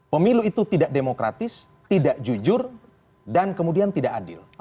pemilu itu tidak demokratis tidak jujur dan kemudian tidak adil